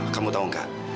kamu tau gak